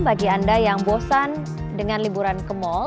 bagi anda yang bosan dengan liburan ke mal